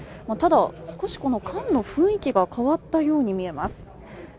ただ、少し缶の雰囲気が変わったように見えます。